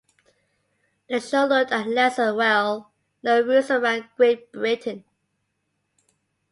The show looked at lesser well known routes around Great Britain.